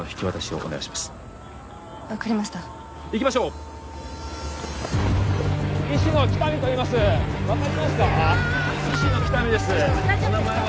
お名前は？